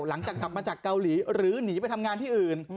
หลังจากกลับมาจากเกาหลีหรือหนีไปทำงานที่อื่น